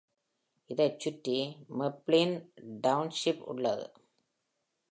இதை சுற்றி மிஃப்ளின் டவுன்ஷிப் உள்ளது.